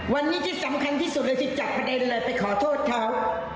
วันนี้ที่สำคัญที่สุดเลยที่จับประเด็นเลยไปขอโทษเขา